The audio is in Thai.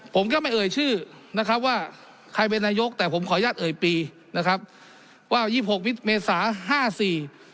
ผมก็ไม่เอ่ยชื่อนะครับว่าใครเป็นนายกแต่ผมขออนุญาตเอ่ยปีนะครับว่ายี่สิบหกมิดเมษาห้าสี่